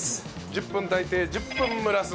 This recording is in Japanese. １０分炊いて１０分蒸らす。